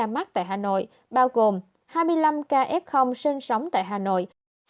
mắc tại hà nội bao gồm hai mươi năm ca f sinh sống tại hà nội